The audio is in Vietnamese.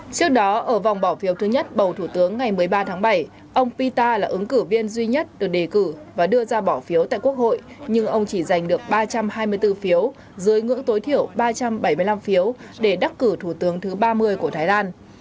trước đó ở vòng bỏ phiếu thứ nhất bầu thủ tướng ngày một mươi ba tháng bảy ông pita là ứng cử viên duy nhất được đề cử và đưa ra bỏ phiếu tại quốc hội nhưng ông chỉ giành được ba trăm hai mươi bốn phiếu dưới ngưỡng tối thiểu ba trăm bảy mươi năm phiếu để đắc cử thủ tướng thứ ba mươi của thái lan